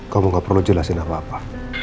kamu gak perlu jelasin apa apa